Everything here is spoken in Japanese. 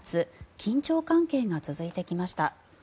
緊張関係が続いてきました。